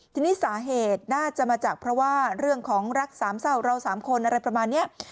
ทีนี้สาเหตุน่าจะมาจากเพราะว่าเรื่องของรักสามเศร้าเราสามคนอะไรประมาณนี้